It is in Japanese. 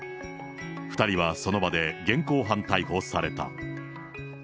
２人はその場で現行犯逮捕された。